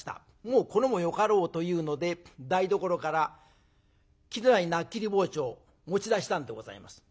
もう頃もよかろうというので台所から切れない菜切り包丁を持ち出したんでございます。